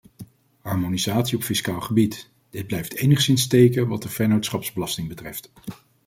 Harmonisatie op fiscaal gebied: dit blijft enigszins steken wat de vennootschapsbelasting betreft.